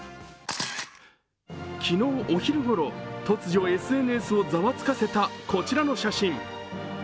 昨日お昼ごろ、突如ＳＮＳをざわつかせたこちらの写真。